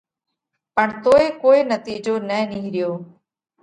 پڻ توئي ڪوئي نتِيجو نہ نِيهريو۔